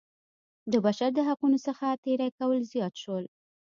د بشر د حقونو څخه تېری کول زیات شول.